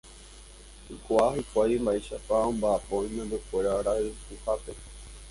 Oikuaa hikuái mba'éichapa omba'apo imembykuéra rayhupápe.